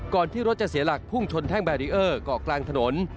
ที่รถจะเสียหลักพุ่งชนแท่งแบรีเออร์เกาะกลางถนน